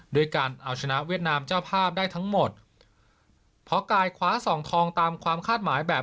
ด้วยการเอาชนะเวียดนามเจ้าภาพได้ทั้งหมดเพราะกายคว้าสองทองตามความคาดหมายแบบ